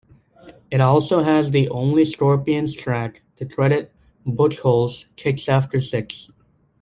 It also has the only Scorpions track to credit Buchholz, "Kicks After Six".